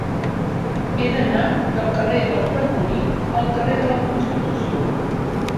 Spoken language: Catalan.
He d'anar del carrer del Francolí al carrer de la Constitució.